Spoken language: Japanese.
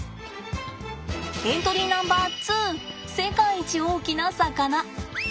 エントリーナンバーツー世界一大きな魚！